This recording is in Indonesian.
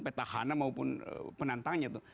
petahana maupun penantangnya itu